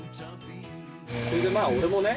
それでまあ俺もね